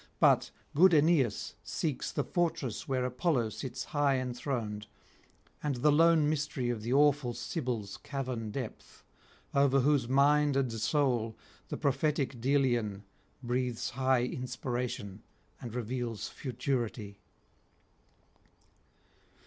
But good Aeneas seeks the fortress where Apollo sits high enthroned, and the lone mystery of the awful Sibyl's cavern depth, over whose mind and soul the prophetic Delian breathes high inspiration and reveals futurity.